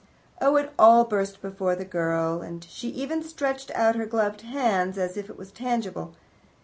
Oh, it all burst before the girl, and she even stretched out her gloved hands as if it was tangible.